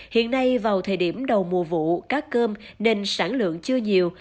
hiện nay vào thời điểm đầu mùa vụ cá cơm nên sản lượng chưa nhiều